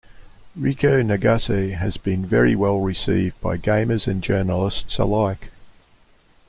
Reiko Nagase has been very well received by gamers and journalists alike.